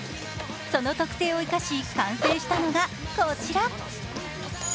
その特性を生かし、完成したのがこちら。